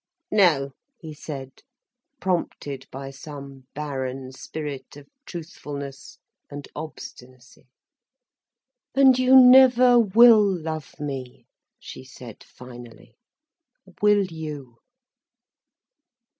"No," he said, prompted by some barren spirit of truthfulness and obstinacy. "And you never will love me," she said finally, "will you?"